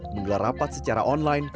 mengelar rapat secara online